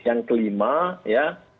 yang kelima ya